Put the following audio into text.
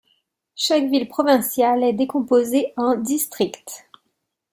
Chaque ville provinciale est décomposée en districts.